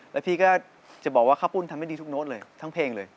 แล้วพี่ก็จะบอกว่าข้าวปุ้นทำให้ดีทุกโน้ตเลยทั้งเพลงเลย